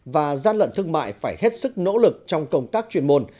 và gian lận thương mại phải hết sức nỗ lực trong công tác chuyên môn